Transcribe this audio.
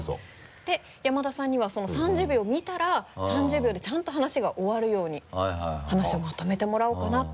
で山田さんにはその３０秒を見たら３０秒でちゃんと話が終わるように話をまとめてもらおうかなと。